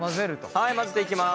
はい混ぜていきます。